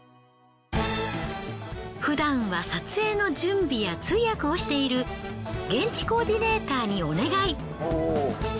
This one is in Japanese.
ふだんは撮影の準備や通訳をしている現地コーディネーターにお願い。